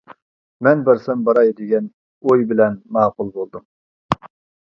مەن بارسام باراي دېگەن ئوي بىلەن ماقۇل بولدۇم.